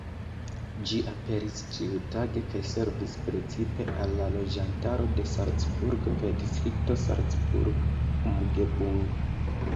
Ĝi aperis ĉiutage kaj servis precipe al la loĝantaro de Salcburgo kaj Distrikto Salzburg-Umgebung.